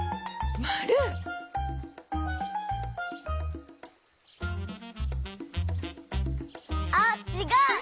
まる！あっちがう！